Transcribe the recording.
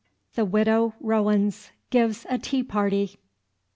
THE WIDOW ROWENS GIVES A TEA PARTY.